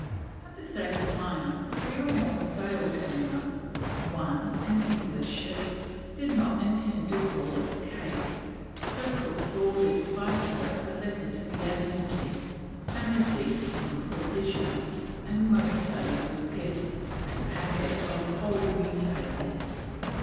At the same time three more sail came up, one, an English ship, did not intend to call at the Cape, so Cook forwarded by her a letter to the Admiralty and received some provisions, and, most valuable gift, a packet of old newspapers.